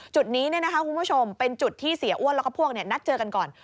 จุดนี้คุณผู้ชมเป็นจุดที่เสียอ้วนแล้วก็พวกนัดเจอกันก่อน